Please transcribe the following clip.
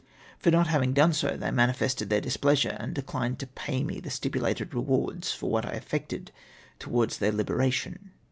For not having done so, they manifested their displeasure and declined to pay me the stipulated rewards for Avhat I effected towards their liberation.